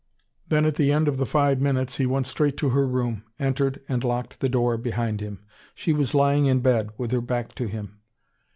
Then at the end of the five minutes he went straight to her room, entered, and locked the door behind him. She was lying in bed, with her back to him.